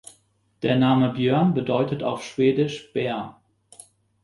Der Name Björn bedeutet auf Schwedisch Bär.